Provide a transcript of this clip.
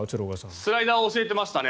スライダー教えてましたね。